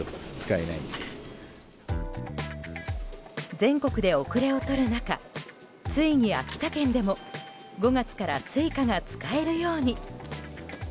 全国で後れをとる中ついに秋田県でも５月からＳｕｉｃａが使えるように。